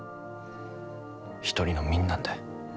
一人の民なんだ。